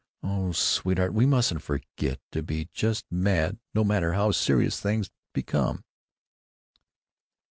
Oh, sweetheart, we mustn't forget to be just a bit mad, no matter how serious things become."